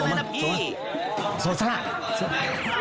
โทรมานโทรมานโทรมานโทรมาน